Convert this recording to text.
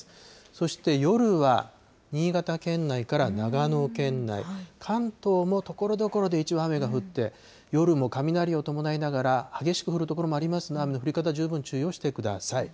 そして夜は、新潟県内から長野県内、関東もところどころで一部雨が降って、夜も雷を伴いながら激しく降る所もありますので、雨の降り方、十分注意をしてください。